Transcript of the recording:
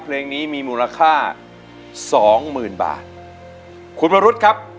เพลงนี้มีมูลค่าสองหมื่นบาทคุณวรุษครับ